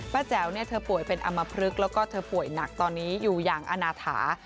แจ๋วเธอป่วยเป็นอำมพลึกแล้วก็เธอป่วยหนักตอนนี้อยู่อย่างอนาถา